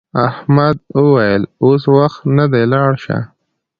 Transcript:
احمد وویل اوس وخت نه دی لاړ شه.